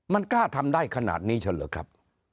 มันกล้าทำได้ขนาดนี้ฉันเหรอครับ